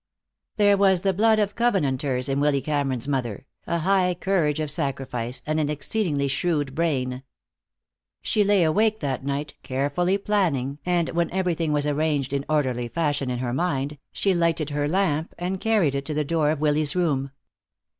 There was the blood of Covenanters in Willy Cameron's mother, a high courage of sacrifice, and an exceedingly shrewd brain. She lay awake that night, carefully planning, and when everything was arranged in orderly fashion in her mind, she lighted her lamp and carried it to the door of Willy's room.